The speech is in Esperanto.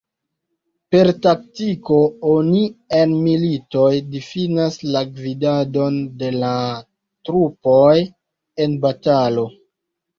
Per taktiko oni en militoj difinas la gvidadon de la trupoj en batalo.